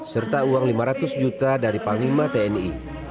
serta uang lima ratus juta dari panglima tni